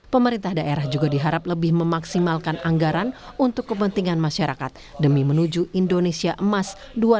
pemerintah daerah juga diharap lebih memaksimalkan anggaran untuk kepentingan masyarakat demi menuju indonesia emas dua ribu dua puluh empat